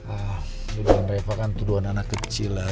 ah tuduhan reva kan tuduhan anak kecil lah